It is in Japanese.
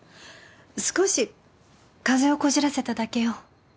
少し風邪をこじらせただけよ